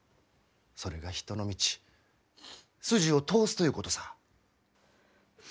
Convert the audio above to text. それが人の道筋を通すということさぁ。